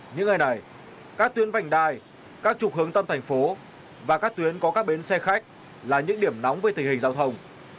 những ngày này các tuyến vành đai các trục hướng tâm thành phố và các tuyến có các bến xe khách là những điểm nóng về tình hình giao thông